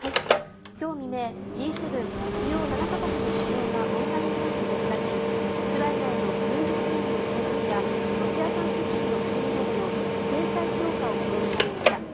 今日未明Ｇ７・主要７か国の首脳がオンライン会議を開きウクライナへの軍事支援の継続やロシア産石油の禁輸などの制裁強化を表明しました。